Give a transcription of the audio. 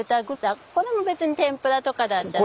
これも別に天ぷらとかだったら。